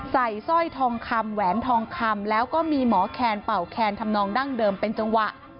สร้อยทองคำแหวนทองคำแล้วก็มีหมอแคนเป่าแคนทำนองดั้งเดิมเป็นจังหวะ